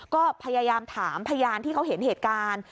ก็พยายามถามพยานที่เขาเห็นเหตุการณ์